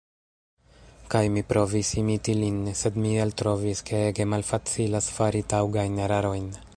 Kaj mi provis imiti lin, sed mi eltrovis ke ege malfacilas fari taŭgajn erarojn.